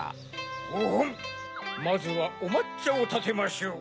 まずはおまっちゃをたてましょう。